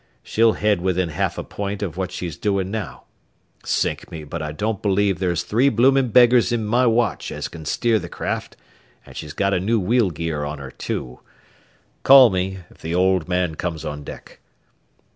She'll head within half a point of what she's doin' now. Sink me, but I don't believe there's three bloomin' beggars in my watch as can steer the craft, and she's got a new wheel gear on her too. Call me if the old man comes on deck."